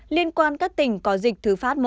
liên quan các tỉnh có dịch thứ phát một